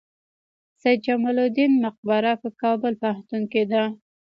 سید جمال الدین مقبره په کابل پوهنتون کې ده؟